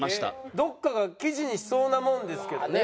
どこかが記事にしそうなもんですけどね。